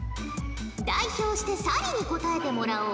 代表して咲莉に答えてもらおう。